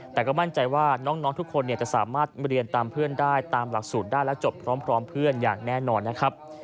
แต่ก็มั่นใจว่าน้องทุกคนจะสามารถเรียนตามเพื่อนได้ตามหลักสูตรได้และจบพร้อมเพื่อนอย่างแน่นอนนะครับ